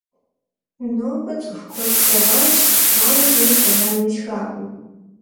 Nobe ts'ıxu kued slhağuaş, aue zımi selam yêsxakhım.